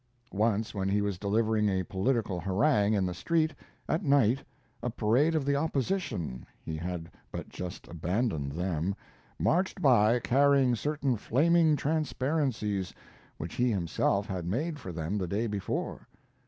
Once when he was delivering a political harangue in the street, at night, a parade of the opposition (he had but just abandoned them) marched by carrying certain flaming transparencies, which he himself had made for them the day before.